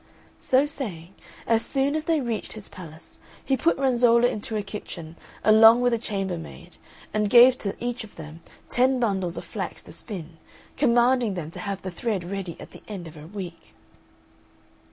So saying, as soon as they reached his palace, he put Renzolla into a kitchen, along with a chambermaid; and gave to each of them ten bundles of flax to spin, commanding them to have the thread ready at the end of a week.